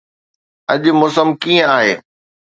اڄ موسم ڪيئن آهي؟